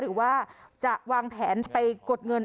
หรือว่าจะวางแผนไปกดเงิน